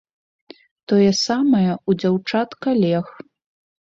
Тое самае ў дзяўчат-калег.